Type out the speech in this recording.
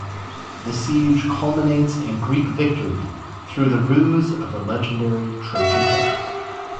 The siege culminates in Greek victory through the ruse of the legendary Trojan Horse.